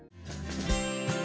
eh udah puas gue